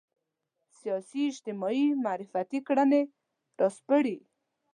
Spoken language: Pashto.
سیاسي اجتماعي معرفتي کړنې راسپړي